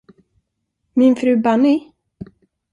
Min fru Bunny?